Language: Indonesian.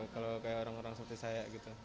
kalau kayak orang orang seperti saya gitu